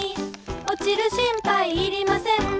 「おちる心配いりません」